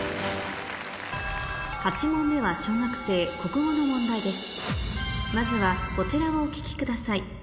８問目は小学生国語の問題です